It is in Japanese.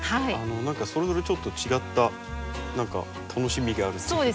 何かそれぞれちょっと違った何か楽しみがあるというか。